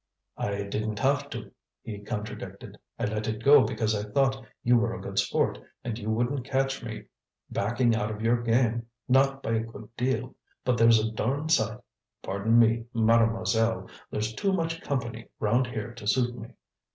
"I didn't have to," he contradicted. "I let it go because I thought you were a good sport, and you wouldn't catch me backing out of your game, not by a good deal! But there's a darned sight, pardon me, Mademoiselle! there's too much company round here to suit me!